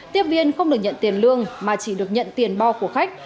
tiếp viên không được nhận tiền lương mà chỉ được nhận tiền bo của khách